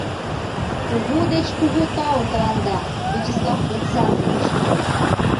Кугу деч кугу тау тыланда, Вячеслав Александрович!